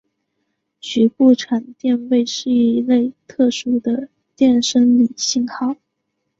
局部场电位是一类特殊的电生理信号。